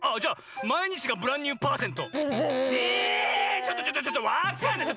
ちょっとちょっとちょっとわかんないちょっと！